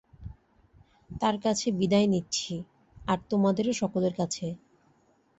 তার কাছে বিদায় নিচ্ছি, আর তোমাদেরও সকলের কাছে।